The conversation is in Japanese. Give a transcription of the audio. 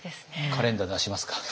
カレンダー出しますか。